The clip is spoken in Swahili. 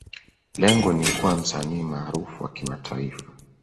Lengo ni kuwa msanii maarufu wa kimataifa.